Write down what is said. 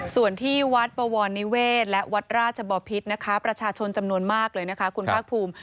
ส่วนที่วัดบวรนิเวศและวัดราชบอพิษนะคะประชาชนจำนวนมากเลยนะคะคุณภาคภูมิ